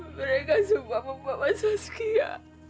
mereka semua membawa saskia